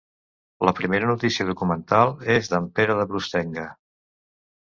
La primera notícia documental és d'en Pere de Brustenga.